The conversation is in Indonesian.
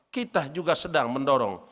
kita juga sedang mendorong